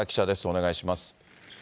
お願いします。